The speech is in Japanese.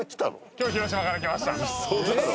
今日広島から来ましたウソだろ